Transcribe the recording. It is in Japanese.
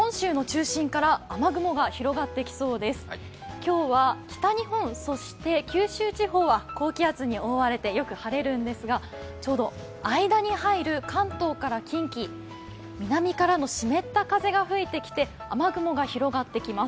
今日は北日本、九州地方は高気圧に覆われて、よく晴れるんですがちょうど間に入る関東から近畿、南からの湿った風が吹いてきて雨雲が広がってきます。